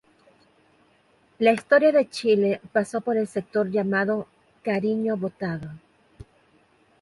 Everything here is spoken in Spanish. La Historia de Chile pasó por el sector llamado "Cariño Botado".